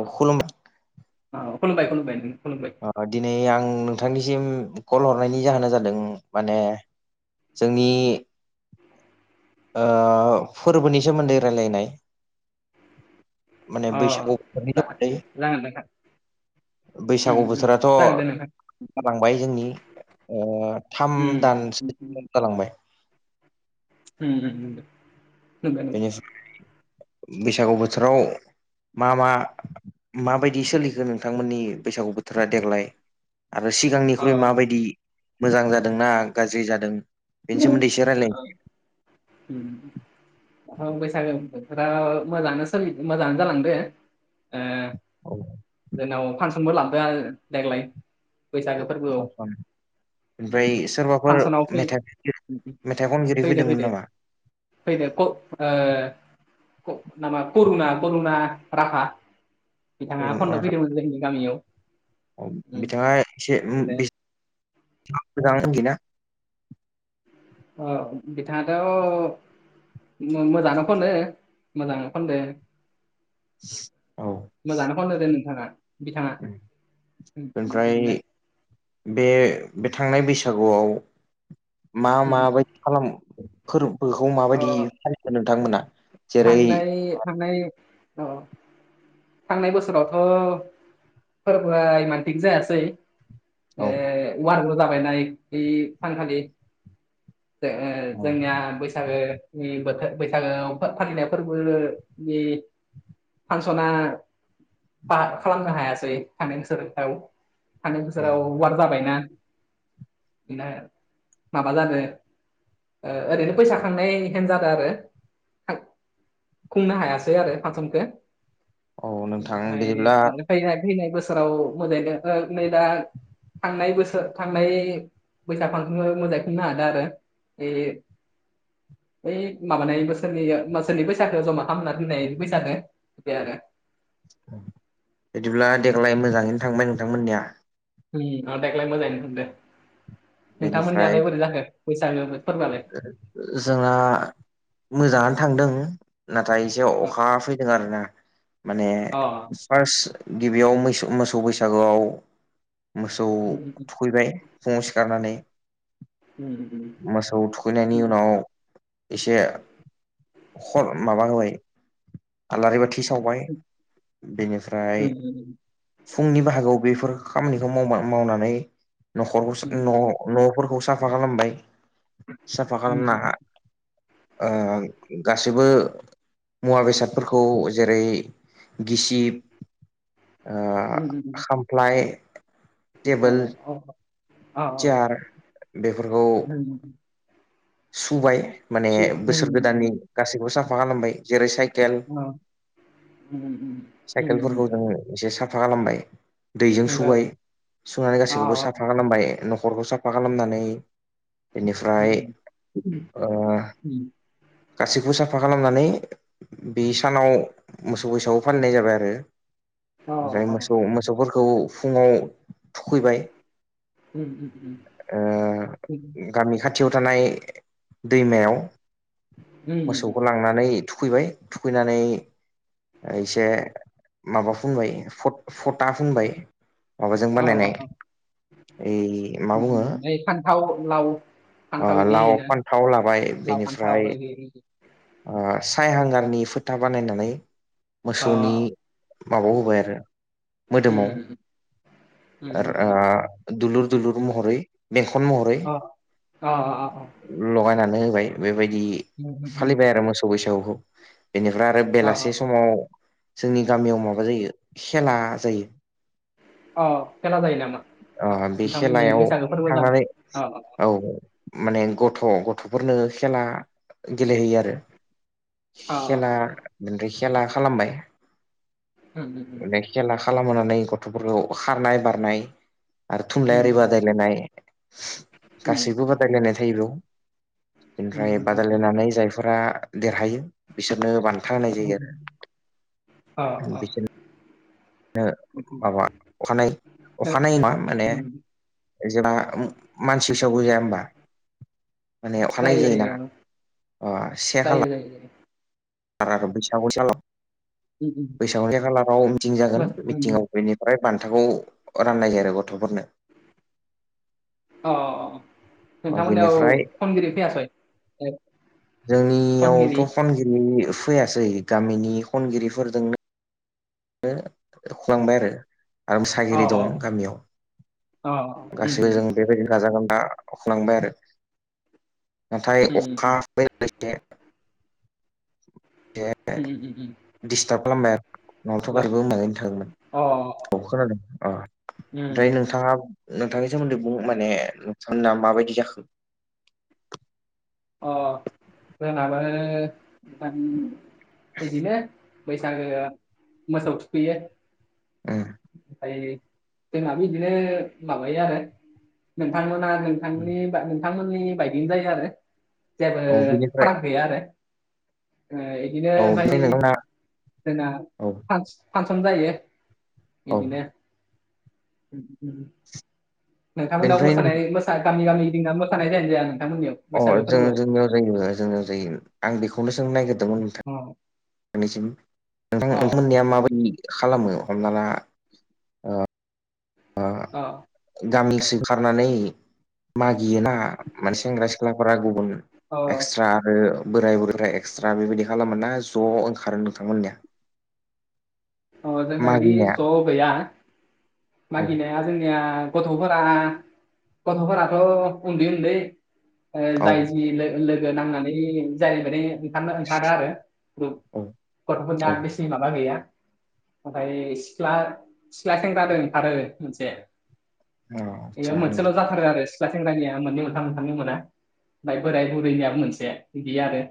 औ खुलुम औ खुलुबाय खुलुबाय। अ दिनै आं नोंथांनिसिम कल हरनायनि जाहोना जादों माने जोंनि ओ फोरबोनि सोमोन्दै रायजलायनाय माने अ जा जागोन नोंथां बैसागोआव उम [unintelligible] गु उम बोथोराथ' उम जागोन दे नोंथां जालांबाय जोंनि ओ थाम उम दानसो जालांबाय। होम। बे बैसागु बोथोराव मा मा माबायदि सोलिखो नोंथांमोननि बैसागु बोथोरा देग्लाय आरो औ सिगांनिख्रुइ माबायदि मोजां जादोंना गाज्रि जादों बेनि सोमोन्दै इसे रायलायनो हम। ओ बैसागो बोथोराव मोजांङानो सोलि मोजाङानो जालांदो। ओ औ जोंनाव फांसनबो लाबोदो देग्लाय बैसागो फोरबोआव ओमफ्राय सोरबाफोर फांसनाव फै मेथाइ मेथाइ खनगिरि फैदो फैदोंमोन फैदो नामा फैदो कर ओ नामा करुना करुना राभा बिथांङा खनना फैदोंमोन जोंनि गामियाव। औ बिथांङा एसे ओ उम बेस मोजां खनदोंना औ बिथाङाथ' मोजाङानो खनो मोजांङानो खनदों। औ। मोजांआनो खनदोदे नोंथांङा। ओमफ्राय बिदिनो बे बे थांनाय बैसागुआव मा माबायदि खालाम फोरबोखौ अ माबायदि फालिदों नोंथांमोना जेरै थांनाय थांनाय अ [inaudible] थांनाय बोसोरावथ' फोरबोआ इमान थिक जायासै। औ ए वारबो' जाबायना बै सानखाालि। ज औ जोंनिया बैसागो बे बोथोर बैसागो फालिनाय फोरबो बे फांसना पास खालामनो हायासै। थांनाय बोसोर आव। थांनाय बोसोराव वार जाबायना, बिनो माबा जादो ओरैनो फैसा खांनाय हेन जादो आरो। खुंनो हायासै आरो फांसनखो औ नोंथां बिदिब्ला फैनाय फैनाय बोसोराव मोजाङदों न नै दा थांनाय बोसोर थांनाय बैसाग मोजाङै नो हादों आरो। ए। बै माबानाय बोसोरनि बोसोरनि फैसाखौ जमा खालामनानै दोननाय फैसखौ [unintelligible] बिदिब्ला देग्लाय मोजाङैनो थांबाय नोंथांमोननिया। देग्लाय मोजाङैनो थांदों। बेनिफ्राय नोंथांमोननियालाय बोरै जाखो बैसागुआव फोरबोआलाय? जोंना मोजाङानो थांदों नाथाय अ अखा फैदों आरो ना माने अ फार्स्ट गिबियाव मै मोसौ बैसागोआव मोसौ उम थुखैबाय। फुंआव सिखारानानै। उम। मोसौ थुखैनायनि उम उनाव एसे माबा होबाय आलारि बाथि सावबाय, उम उम बेनिफ्राय फुंनि बाहागोआव बेफोर खामानिखौ माव मावनानै उम न'खरखौ' उम न' फोरखौ साफा खालामबाय। साफा उम खालामना ओ गासैबो मुवा बेसादफोरखौ, जेरै गिसिब ओ खामफ्लाय टेबोल, चेयार, बेफोरखौ सुबाय माने बोसोर गोदाननि गासैखौबो साफा खालामबाय जेरै साइकेल साइकेलफोरखौ जों उम। एसे साफा खालामबाय, दैजों सुबाय सुनानै गासैखौबो साफा साफा खालामबाय न'खरखौ साफा खालामनानै बेनिफ्राय ओ [inaudible] गासैखौबो साफा खालामनानै बे सानाव मोसौ बैसागु फालिनाय जाबाय आरो। ओमफ्राय मोसौ मोसौफोरखौ फुङाव थुखैबाय, गामि खाथियाव थानाय दैमायाव मोसौखौ लांनानै थुखैबाय थुखैनानै एसे माबा फुनबाय फटा फुनबाय। माबाजों बानायनाय इ मा बुङो लाव फान थाव लाबाय बेनिफ्राय साय हांगारनि फोथा बानायनानै मोसौनि माबाव होबाय आरो मोदोमाव दुलुर दुलुर महरै बेंखन महरै अ अ अ अ अ लगायनानै होबाय बेबायदि फालिबाय आरो मोसौ बैसागुखौ बेनिफ्राय आरो बेलासे समाव जोंनि गामियाव माबा जायो खेला जायो। अ खेला जायो नामा? अ बे खेलायाव थांनानै औ। माने गथ' गथ'फोरनो खेला गेलेहैयो आरो अ खेला फ्राय खेला खालामबाय अ खेला खालामहानै गथ'फोरखौ खारनाय बारनाय आरो थुनलाइारि बादायलायनाय गासैबो बादायलायनाय थायो बेयाव ओमफ्राय बादायलायनानै जायफोरा देरहायो बिसोरनो बान था होनाय जायो आरो बिसोरनो माबा अखानायै जायो अखानायै मा माने जेला मानसि सावगो जाया होमबा माने अखानायै जायोना जायो अ से खाला [unintelligible] [unintelligible] बैसागुनि खालाराव मिटिं जागोन मिटिंआव बेनि फ्राय बान्थाखौ राननाय जायो आरो गथ'फोरनो औ नोंथांमोननियाव बेनिफ्राय खनगिरि फैयासै? जोंनियावथ' खनगिरि खनगिरि फैयासै गामिनि खनगिरिफोरजोंनो खुलांबाय आरो। आरो अ मोसागिरि दं गामियाव अ उम, गासिबो जों बेबायदि गाजा गोमजा अख्लांबाय आरो नाथाय उम, अखा बे एसे उम, उम, उम. दिस्टाब खालामबाय आरो थ' हेल' गासिबो मोजाङैनो थाङोमोन अ अ खोनादों अ उम. ओमफ्राय नोंथाङा नोंथांनि सोमोन्दै बुं माने नोंथांमोना माबायदि जाखो? अ जोंनाबो बिदिनो बैसागोआ मोसौ थुखैयो ओ ओमफ्राय जोंहाबो बिदिनो माबायो आरो नोंथांमोना नोंथांनि बा नोंथांमोननि बायदिनो जायो आरो जेबो औ बिनिफ्राय फाराग गैया आरो बिनो औ ओमफाय ओमफ्राय नोंथांना जोंना औ फानसनो जायो। औ एदिनो नोंथांमोननाव बेनिफ्राय नों मोसानाय मोसा गामि गामि गिंना मोसानाय जायानो जाया नोंथांमोननियाव? अ बैसागो जों फोरबोआव जोंनियाव जायो जोंनियाव जायो आं बेखौनो सोंनो नागिरदोंमोन नोंथां औ नोंथांसिम नोंथां नोंथांमोननिया अ माबायदि खालामो हमना ला गामिसो खारनानै मागियोना माने सेंग्रा सिख्लाफोरा गुबुन अ एक्सट्रा आरो बोराय बुरै एक्सट्रा बेबायदि खालामोन ना ज' ओंखारो नोंथांमोननिया अ जोंनादि मागिनाया ज' गैया औ मागिनाय जोंनिया गथ'फोरा गथ'फोराथ' उन्दै-उन्दै औ जाय जि लोगो नांनानै जाय माने ओंखारनो [unintelligible] आरो ग्रुप औ औ गथ'फोरनिया बेसे माबा गैया ओमफ्राय सिख्ला सिख्ला सेंग्रादों ओंखारो मोनसे बेयो आदसा मोनसेल' नोंथां जाथारो आरो सिख्ला सेंग्रानिया मोननै मोनथाम ओंखारनो मोना ओमफ्राय बोराय बुरैनियाबो मोनसे एदि आरो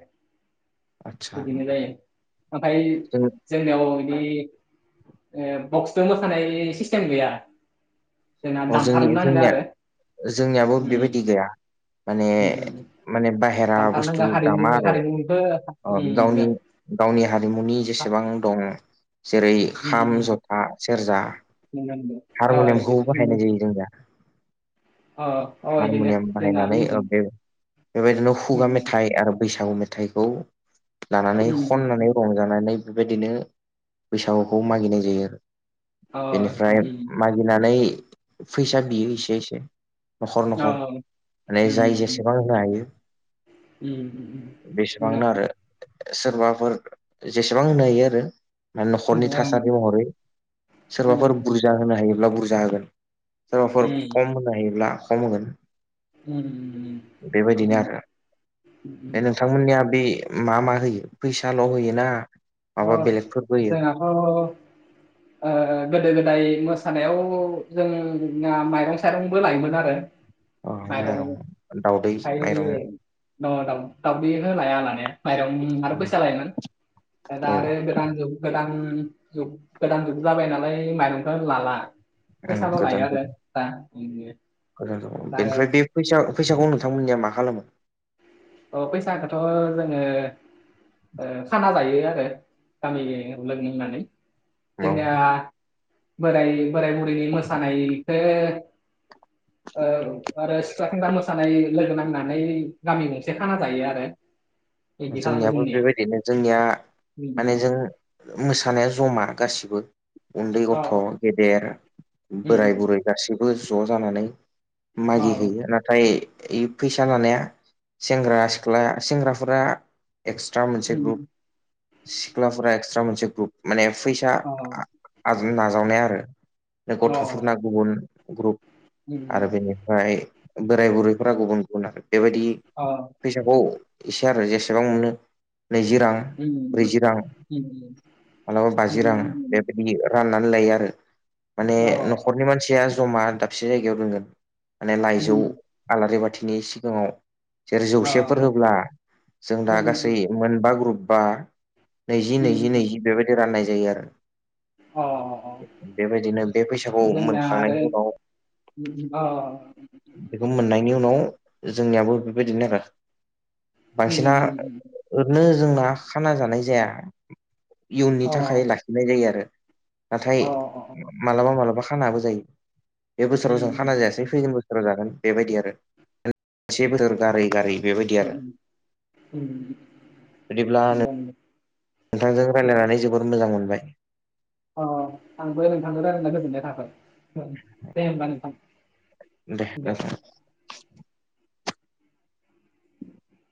आदसा बिदिनो जायो ओमफ्राय जों जोंनियाव बिदि ओ बक्सजों मोसानाय सिस्टेम गैया। जोंना अ जोंनि दानथारनो नांगो जोंनिया आरो जोंनियाबो उम बेबायदि गैया माने उम उम माने बाहेरा बुस्थु दामथारनांगो हारिमु दामा हारिमुनिबो उम आरो गावनि गावनि हारिमुनि जेसेबां दं जेरै खाम उम जथा सेरजा नंगौ नंगौ अ हारमुनियामखौ इदिनो नंगौ बाहायनाय जायो जों दा अ अ इदिनो हारमुनियाम जोंनाबो बाहायनानै ओ इदिनो बेबायदिनो खुगा उम मेथाइ आरो बैसागु मेथाइखौ लानानै उम खननानै उम रंजानानै बेबायदिनो बैसागुखौ मागिनाय जायो अ बेनिफ्राय उम मा बिनानै फैसा बियो एसे एसे न'खर अ न'खर माने जाय उम जेसेबां होनो हायो बेसेबांनो आरो सोरबाफोर जेसेबां होनो हायो आरो माने न'खरनि थासारि महरै सोरबाफोर बुरजा होनो हायोब्ला बुरजा होगोन सोरबाफोर खम होनो हायोब्ला खम होगोन उम बेबायदिनो बिदिनो आरो बे नोंथांमोननिया बे मा मा होयो फैसाल' होयोना ओ माबा बेलेगफोरबो होयो जोङाथ' ओ गोदो गोदाय मोसानायाव जोङा माइरं साइरंबो लायोमोन आरो अ माइरं मायरं ओमफ्राय ओ दाउखौ लाया लानाया माइरं आरो फैसा लायोमोन दा औ ओं आरो गोदान जुग गोदान जुग गोदान जुग जाबाय नालाय माइरंखौ लाला फैसाल' लायो आरो दा बिदिनो गोजो अ दा आरो बेनिफ्राय बे फैसा फैसाखौ नोंथांमोननिया मा खालामो औ फैसाखौथ' जोङो ओ खाना जायो आरो गामि लोगोनानै औ जोंनिया बोराइ बोराइ बुरैनि मोसानायखो औ आरो सिख्ला सेंग्रा मोसानाय लोगो नांनानै गामि गं से खाना जायो आरो बिदि खालामो जोंनियाबो जोंनिया बेबायदिनो जोंनिया माने जों मोसानाया जमा गासिबो उन्दै अ गथ' गेदेर अ बोराय बुरै गासैबो ज' जानानै अ मागि हैयो नाथाय इ फैसा लानाया सेंग्रा सिख्ला सेंग्राफोरा एक्सट्रा मोनसे ग्रुप सिख्लाफोरा एक्सट्रा मोनसे ग्रुप माने फै सा नाजावनाय आरो बे अ गथ'फोरना गुबुन ग्रुप उम आरो बेनिफ्राय बोराय बुरैफोरा गुबुन गुबुन आरो बेबायदि अ फैसाखौ एसे आरो जेसेबां मोनो नैजि रां उम अ उम ब्रैजि रां उम मालाबा अ बाजि रां बे बिदि राननानै लायो आरो माने अ न'खरनि मानसिया जमा दाबसे जायगायाव दोनगोन माने लाइजौ आलारि बाथिनि सिगाङाव जेरै जौसेफोर अ होब्ला जों दा गासै मोनबा ग्रुपा नैजि नैजि नैजि बेबायदि राननाय जायो आरो बेबायदिनो बे फैसाखौ मोनखांनायनि उनाव उम उम अ अ बेखौ मोननायनि उनाव जोंनियाबो बेबायदिनो रा बांसिना ओरैनो जोंना खाना जानाय जाया इयुननि थाखाय ला नाय जायो आरो नाथाय अ मालाबा मालाबा खानाबो जायो बे बोसोराव जों अ खाना जायासै फैगोन बोसोराव जागोन बेबायदि आरो से बोसोर गारै गारै [unintelligible] [inaudible] बिदिब्ला नोंथांजों रायलायनानै जोबोर मोजां मोनबाय अ अ आंबो नोंथांजों रायलायना गोजोननाय थाबाय दे होनबा नोंथां दे दोनथ